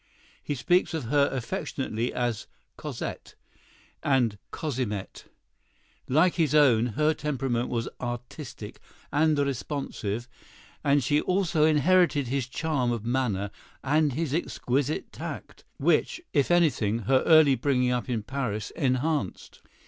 He speaks of her affectionately as "Cosette" and "Cosimette." Like his own, her temperament was artistic and responsive, and she also inherited his charm of manner and his exquisite tact, which, if anything, her early bringing up in Paris enhanced.